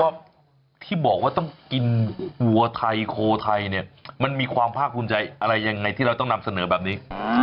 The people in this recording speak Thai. ว่าที่บอกว่าต้องกินวัวไทยโคไทยเนี่ยมันมีความภาคภูมิใจอะไรยังไงที่เราต้องนำเสนอแบบนี้